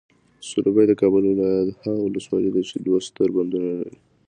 سروبي، د کابل ولایت هغه ولسوالۍ ده چې دوه ستر بندونه لري.